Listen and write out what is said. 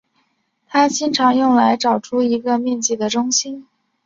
它经常用来找出一个面积的中心。